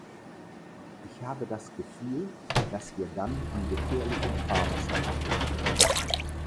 Ich habe das Gefühl, dass wir dann in gefährlichem Fahrwasser landen.